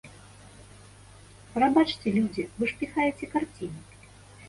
Прабачце, людзі, вы ж піхаеце карціны!